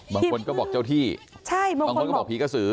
บางคนก็บอกเจ้าที่บางคนก็บอกผีกระสือ